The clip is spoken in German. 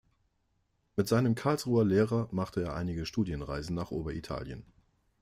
Mit seinem Karlsruher Lehrer machte er einige Studienreisen nach Oberitalien.